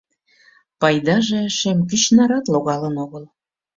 Пайдаже шем кӱч нарат логалын огыл.